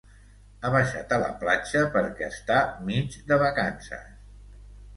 Ha baixat a la platja perquè està mig de vacances.